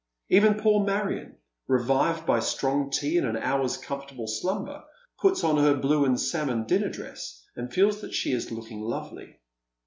Even poor Marion, revived by strong tea and an hour's comfortable slumber, puts on her blue and salmon dinner dress, and feels that she is looking lovely.